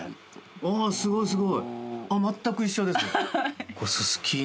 おおすごいすごい。